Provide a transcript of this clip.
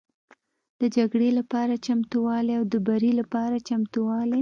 د جګړې لپاره چمتووالی او د بري لپاره چمتووالی